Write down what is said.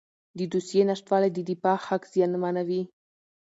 د دوسیې نشتوالی د دفاع حق زیانمنوي.